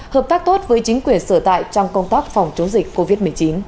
hợp tác tốt với chính quyền sở tại trong công tác phòng chống dịch covid một mươi chín